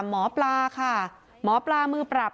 หมอปลาค่ะหมอปลามือปรับ